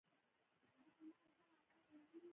د رامپور پښتنو حرکت هرکلی کړی.